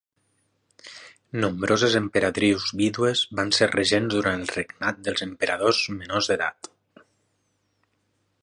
Nombroses emperadrius vídues van ser regents durant el regnat dels emperadors menors d'edat.